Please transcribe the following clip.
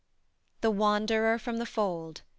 THE WANDERER FROM THE FOLD.